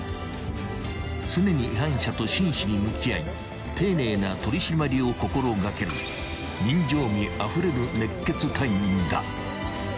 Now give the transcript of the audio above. ［常に違反者と真摯に向き合い丁寧な取り締まりを心掛ける人情味あふれる熱血隊員だ］